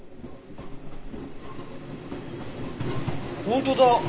本当だ！